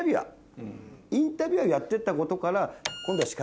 インタビュアーをやってったことから。